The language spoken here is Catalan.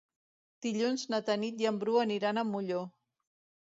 Dilluns na Tanit i en Bru aniran a Molló.